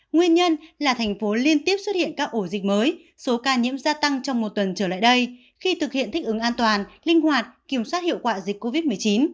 nguyên nhân là thành phố liên tiếp xuất hiện các ổ dịch mới số ca nhiễm gia tăng trong một tuần trở lại đây khi thực hiện thích ứng an toàn linh hoạt kiểm soát hiệu quả dịch covid một mươi chín